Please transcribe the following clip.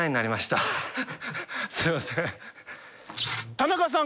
田中さん。